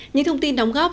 những thông tin đóng góp